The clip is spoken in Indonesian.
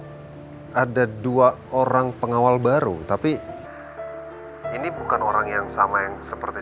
sekolah saya sempat lihat ada dua orang pengawal baru tapi ini bukan orang yang sama yang seperti